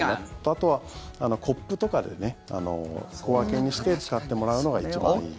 あとはコップとかで小分けにして使ってもらうのが一番いい。